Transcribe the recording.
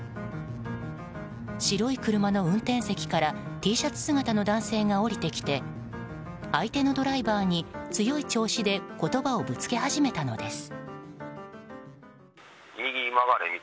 白い車の運転席からＴシャツ姿の男性が降りてきて相手のドライバーに強い調子で言葉をぶつけ始めたのです。